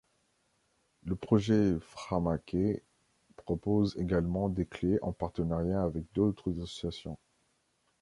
Le projet Framakey propose également des clés en partenariat avec d'autres associations.